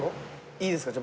いいですか？